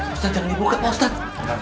ustad jangan dibuka pak ustad